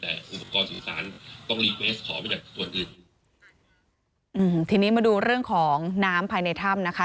แต่อุปกรณ์สื่อสารต้องรีเฟสขอมาจากส่วนอื่นอืมทีนี้มาดูเรื่องของน้ำภายในถ้ำนะคะ